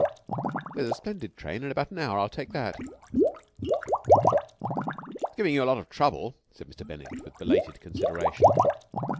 "There's a splendid train in about an hour. I'll take that." "It's giving you a lot of trouble," said Mr. Bennett with belated consideration.